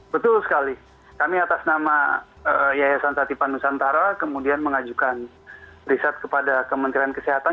betul sekali kami atas nama yayasan satipan nusantara kemudian mengajukan riset kepada kementerian kesehatan